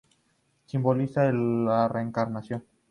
Simboliza la reencarnación.